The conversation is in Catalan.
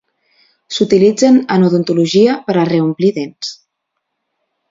S'utilitzen en odontologia per a reomplir dents.